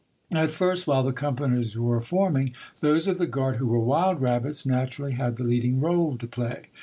At first, while the companies were forming, those of the guard who were wild rabbits naturally had the leading role to play.